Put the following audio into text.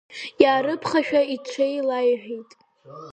Иаарыԥхашәа иҽааилеиҳәеит.